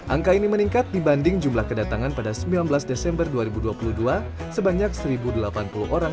angka ini meningkat dibanding jumlah kedatangan pada sembilan belas desember dua ribu dua puluh dua sebanyak satu delapan puluh orang